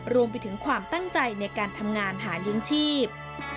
รวมไปถึงความตั้งใจในการทำงานหาเลี้ยงชีพ